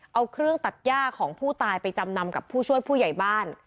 เอาเครื่องตัดย่าของผู้ตายไปจำนำกับผู้ช่วยผู้ใหญ่บ้าน